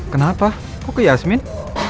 kenapa kok ke yasmin